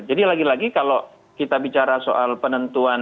jadi lagi lagi kalau kita bicara soal penentuan